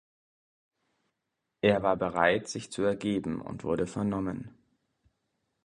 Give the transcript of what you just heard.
Er war bereit, sich zu ergeben, und wurde vernommen.